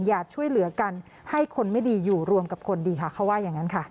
อย่าช่วยเหลือกันให้คนไม่ดีอยู่รวมกับคนดีค่ะเขาว่าอย่างนั้นค่ะ